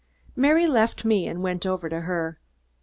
Mary left me and went over to her.